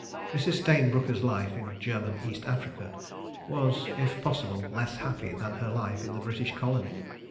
... Mrs. Stayne Brooker's life in German East Africa was, if possible less happy than her life in the British colony.